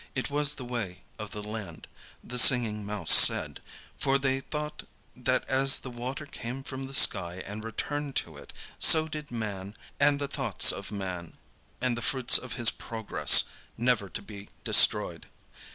It was the way of the land, the Singing Mouse said; for they thought that as the water came from the sky and returned to it, so did man and the thoughts of man, and the fruits of his progress; never to be destroyed.